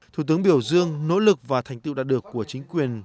thủ tướng biểu dương nỗ lực và thành tiệu đạt được của chính quyền